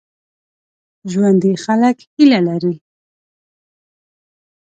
ژوندي خلک هیله لري